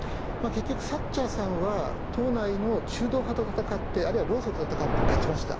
結局サッチャーさんは党内の中道派と戦ってあるいは労組と戦って勝ちました。